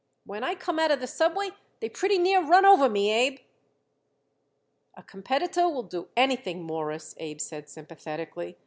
When I come out of the subway they pretty near run over me, Abe." "A competitor will do anything, Mawruss," Abe said sympathetically.